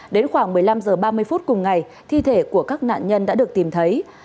đến khoảng một mươi năm h ba mươi phút cùng ngày thi thể của các nạn nhân đã được tìm thấy